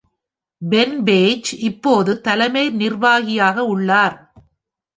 Pen Page இப்போது தலைமை நிர்வாகியாக உள்ளார்.